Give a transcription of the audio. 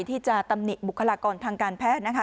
ที่จะตำหนิบุคลากรทางการแพทย์นะคะ